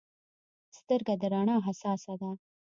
سترګه د رڼا حساسه ده.